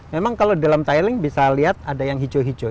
memang kalau dalam tiling bisa lihat ada yang hijau hijau